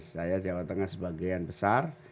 saya jawa tengah sebagian besar